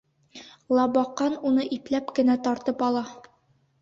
Лабаҡан уны ипләп кенә тартып ала.